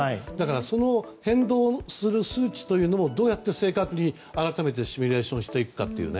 その変動する数値をどうやって正確に改めてシミュレーションしていくかというね。